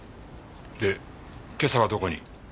で今朝はどこに？